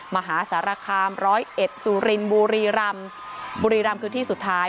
มหาสารคามร้อยเอ็ดสุรินบุรีรำบุรีรำคือที่สุดท้าย